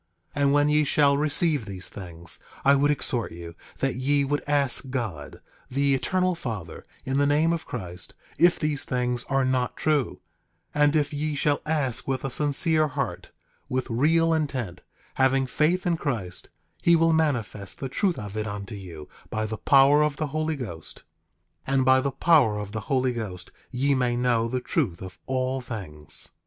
10:4 And when ye shall receive these things, I would exhort you that ye would ask God, the Eternal Father, in the name of Christ, if these things are not true; and if ye shall ask with a sincere heart, with real intent, having faith in Christ, he will manifest the truth of it unto you, by the power of the Holy Ghost. 10:5 And by the power of the Holy Ghost ye may know the truth of all things.